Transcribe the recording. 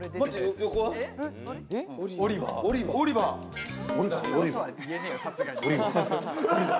『オリバー！』？